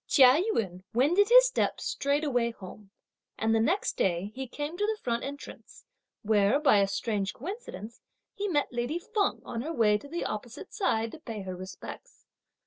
Chia Yün wended his steps straightway home; and the next day, he came to the front entrance, where, by a strange coincidence, he met lady Feng on her way to the opposite side to pay her respects.